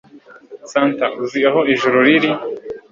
santa, uzi aho ijuru riri